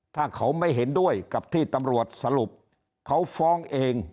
ถ้าเขาไม่เห็นด้วยกับที่ตำรวจสรุปเขาฟ้องเอง